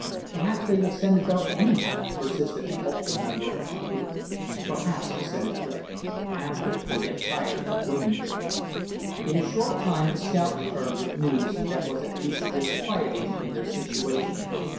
"Perhaps they will send a boat anyhow," persisted the hopeful member of the crew. "Perhaps," assented Clif, "after they get tired of waiting for us." In a short time the scout returned with news that was at least disquieting in their situation.